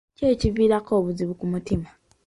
Ki ekiviirako ebizibu ku mutima?